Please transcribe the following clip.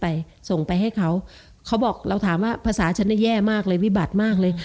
ส่งไปให้เขาเขาบอกเราถามว่าภาษาฉันเนี่ยแย่มากเลยวิบัติมากเลย